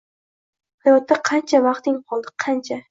Hayotda qancha vaqting qoldi? Qancha?